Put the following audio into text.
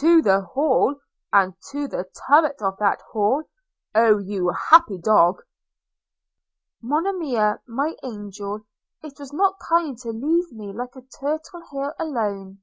'To the Hall! – and to the turret of that Hall! – Oh! you happy dog!' – 'Monimia – my angel! – It was not kind To leave me like a turtle here alone!'